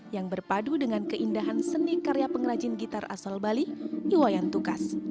yang berpadu dengan keindahan seni karya pengrajin gitar asal bali iwayan tukas